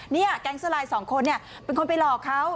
เนี้ยแก๊งสลายสองคนเนี้ยเป็นคนไปหลอกเขา